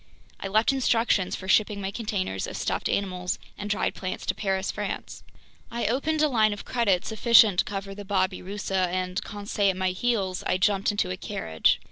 I left instructions for shipping my containers of stuffed animals and dried plants to Paris, France. I opened a line of credit sufficient to cover the babirusa and, Conseil at my heels, I jumped into a carriage.